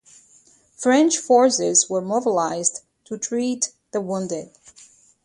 French forces were mobilized to treat the wounded.